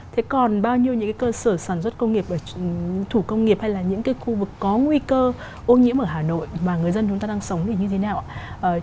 thế còn bao nhiêu những cái cơ sở sản xuất công nghiệp thủ công nghiệp hay là những cái khu vực có nguy cơ ô nhiễm ở hà nội mà người dân chúng ta đang sống thì như thế nào ạ